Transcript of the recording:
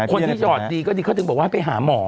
คนที่จอดดีก็ดีเขาถึงบอกว่าไปหาหมอ